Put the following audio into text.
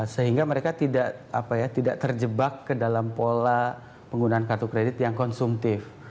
sehingga mereka tidak terjebak ke dalam pola penggunaan kartu kredit yang konsumtif